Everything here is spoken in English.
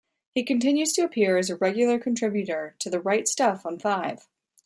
He continues to appear as a regular contributor to "The Wright Stuff" on Five.